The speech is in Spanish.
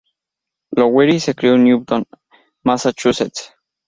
Lowery se crio en Newton, Massachusetts.